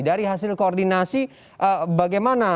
dari hasil koordinasi bagaimana